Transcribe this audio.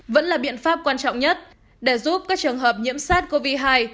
vẫn là biện pháp quan trọng nhất để giúp các trường hợp nhiễm sát covid hai